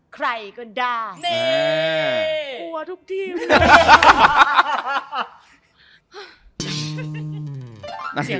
ใครก็ได้